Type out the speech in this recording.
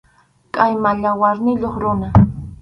Qʼayma yawarniyuq runa.